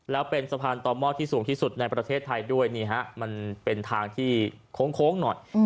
แล้วเป็นสะพานต่อหม้อที่สูงที่สุดในประเทศไทยด้วยนี่ฮะมันเป็นทางที่โค้งหน่อย